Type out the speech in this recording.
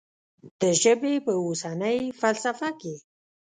د ژبې په اوسنۍ فلسفه کې.